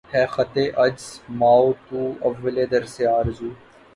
ہے خطِ عجز مَاو تُو اَوّلِ درسِ آرزو